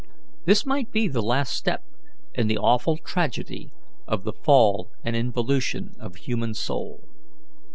This might be the last step in the awful tragedy of the fall and involution of a human soul.